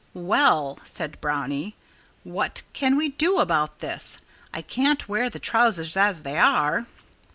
"Well!" said Brownie. "What can we do about this? I can't wear the trousers as they are."